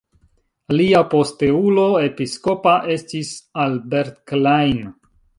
Lia posteulo episkopa estis Albert Klein.